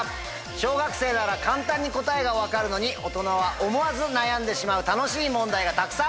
小学生なら簡単に答えが分かるのに大人は思わず悩んでしまう楽しい問題がたくさん。